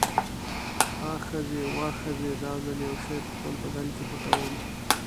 آ ښځې، واه ښځې، دا ځل یو شی په خپل بدن کې پټوم.